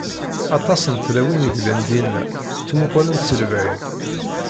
Aṭas n tlawin i yellan dinna, ttmuqulent si lebɛid.